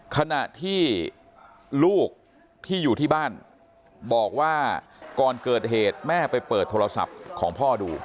ขณะที่ลูกที่อยู่ที่บ้านบอกว่าก่อนเกิดเหตุแม่ไปเปิดโทรศัพท์ของพ่อดู